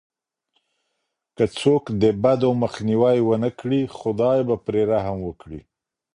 که څوک د بدو مخنيوی ونه کړي، خداي به پرې رحم وکړي.